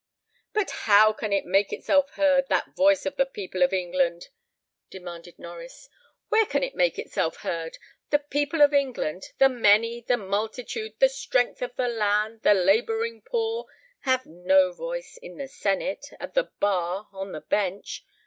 "But how can it make itself heard, that voice of the people of England?" demanded Norries; "where can it make itself heard? The people of England the many, the multitude, the strength of the land, the labouring poor have no voice in the senate, at the bar, on the bench.